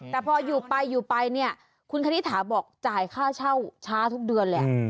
แต่พออยู่ไปเนี่ยคุณคณิตหาบอกว่าจ่ายค่าเช่าช้าทุกเดือนแหละ